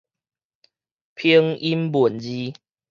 拼音文字